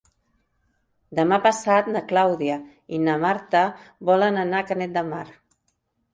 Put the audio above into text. Demà passat na Clàudia i na Marta volen anar a Canet de Mar.